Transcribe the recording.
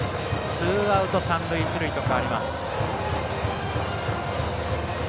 ツーアウト、三塁、一塁と変わります。